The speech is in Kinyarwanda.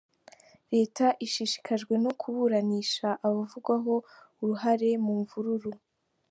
Leta ishishikajwe no kuburanisha abavugwaho uruhare mu mvururu